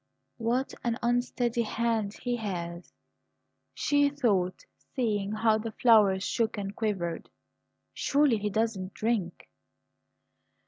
"What an unsteady hand he has," she thought, seeing how the flowers shook and quivered. "Surely he doesn't drink!"